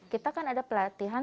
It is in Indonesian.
kita kan ada pelatihan